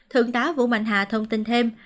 thượng tá vũ mạnh hà thông tin thêm